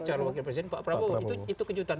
calon wakil presiden pak prabowo itu kejutan